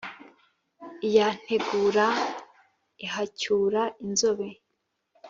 iya ntegure ihacyura inzobe,